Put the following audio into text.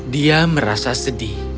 dia merasa sedih